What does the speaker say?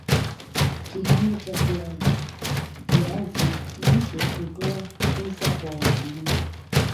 Kilimo cha viazi lishe hutoa fursa kwa wakulima